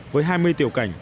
với hai mươi tiểu cảnh